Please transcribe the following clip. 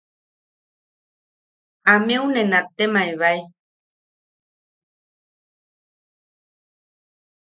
Ameu ne nattemaebae.